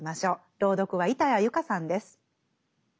朗読は板谷由夏さんです。